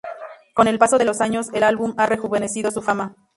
Con el paso de los años, el álbum ha rejuvenecido su fama.